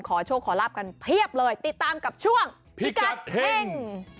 ขอโชคขอลาบกันเพียบเลยติดตามกับช่วงพิกัดเฮ่ง